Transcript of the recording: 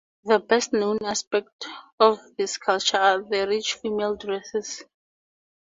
The best-known aspect of this culture are the rich female dresses.